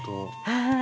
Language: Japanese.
はい。